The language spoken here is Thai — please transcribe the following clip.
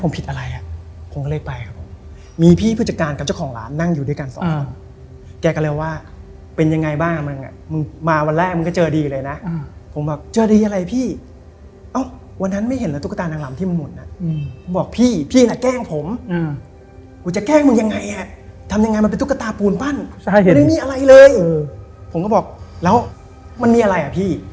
ผมก็เลยคิดว่าเฮ้ยทำไม